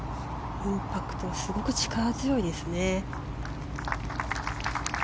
インパクトすごく力強いですね。